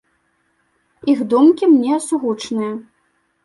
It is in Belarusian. Іх думкі мне сугучныя.